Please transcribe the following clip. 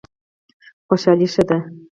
خوشحالي ښه دی.